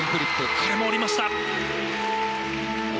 これも降りました！